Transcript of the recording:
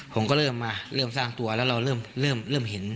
ผมก็เริ่มมาเริ่มสร้างตัวแล้วเราเริ่มเห็น